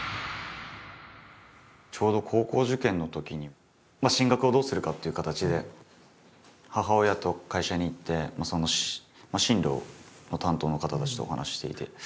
ちょうど高校受験のときに進学をどうするかっていう形で母親と会社に行って進路の担当の方たちとお話ししていて。